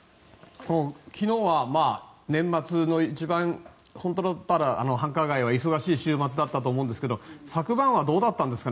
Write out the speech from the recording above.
昨日は年末の一番繁華街は忙しい週末だったと思うんですが昨晩はどうだったんですか？